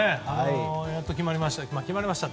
やっと決まりました。